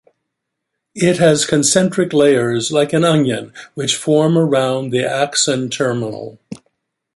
It has concentric layers like an onion, which form around the axon terminal.